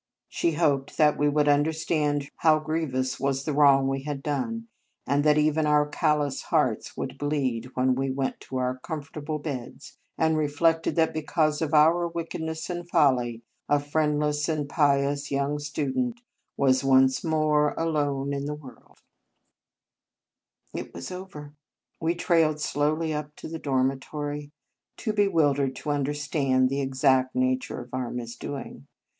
She hoped that we would understand how grievous was the wrong we had done, and that even our callous hearts would bleed when we went to our comfortable beds, and reflected that, because of our wickedness and folly, a friendless and pious young student was once more alone in the world. 29 In Our Convent Days It was over! We trailed slowly up to the dormitory, too bewildered to understand the exact nature of our misdoing.